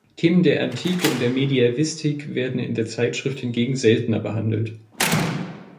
Themen der Antike und der Mediävistik werden in der Zeitschrift hingegen seltener behandelt.